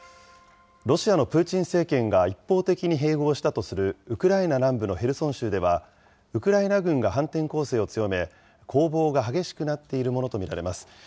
ロシアのプーチン政権が一方的に併合したとするウクライナ南部のヘルソン州では、ウクライナ軍が反転攻勢を強め、攻防が激しくなっているものと見られます。